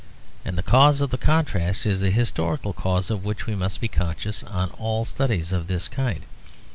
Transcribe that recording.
And the cause of the contrast is the historical cause of which we must be conscious in all studies of this kind.